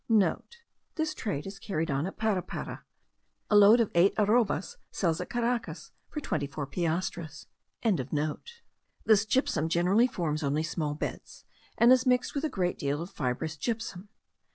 (* This trade is carried on at Parapara. A load of eight arrobas sells at Caracas for twenty four piastres.) This gypsum generally forms only small beds, and is mixed with a great deal of fibrous gypsum.